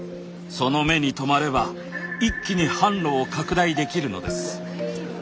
その目に留まれば一気に販路を拡大できるのです。